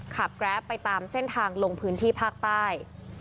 แกรปไปตามเส้นทางลงพื้นที่ภาคใต้